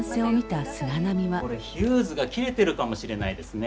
これヒューズが切れてるかもしれないですね。